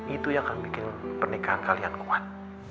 itu yang akan bikin pernikahan kalian kuat